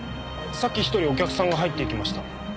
さっき１人お客さんが入っていきました。